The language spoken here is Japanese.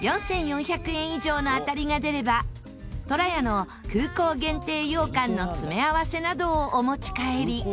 ４４００円以上の当たりが出ればとらやの空港限定羊羹の詰め合わせなどをお持ち帰り。